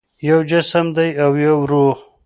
یو جسم دی او یو روح